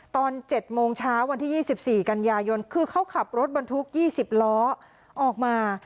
ตอน๗โมงเช้าวันที่๒๔กันยายนคือเขาขับรถบรรทุก๒๐ล้อออกมา